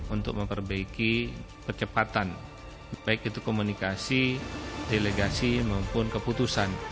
untuk memperbaiki percepatan baik itu komunikasi delegasi maupun keputusan